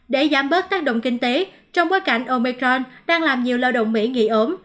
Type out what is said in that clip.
để giảm bớt tác động kinh tế trong quá cảnh omicron đang làm nhiều lao động mỹ nghỉ ốm